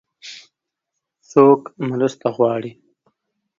څوک مرسته غواړي؟